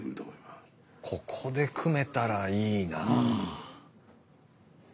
スタジオここで組めたらいいなあ。